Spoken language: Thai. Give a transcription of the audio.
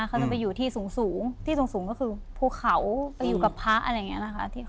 เขาจะไปอยู่ที่สูงที่สูงก็คือภูเขาไปอยู่กับพระอะไรอย่างนี้นะคะ